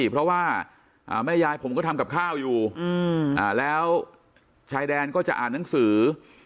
เพราะว่าแม่ยายผมก็ทำกับข้าวอยู่แล้วชายแดนก็จะอ่านหนังสือ